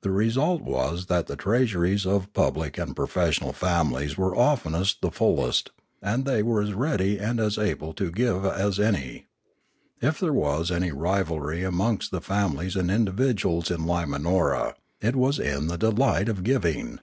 The result was that the treasuries of public and profes sional families were oftenest the fullest; and they were as ready and as able to give as any. If there was any rivalry amongst the families and individuals in Lima nora, it was in the delight of giving.